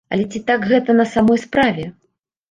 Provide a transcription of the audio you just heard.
Але ці так гэта на самой справе?